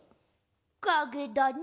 かげだね。